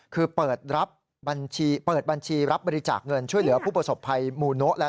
คือเปิดบัญชีรับบริจาคเงินช่วยเหลือผู้ประสบภัยมูโนะละนะ